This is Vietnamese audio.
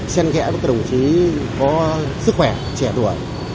xem kẽ các đồng chí có sức khỏe trẻ tuổi